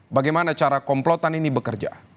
bagaimana cara komplotan ini bekerja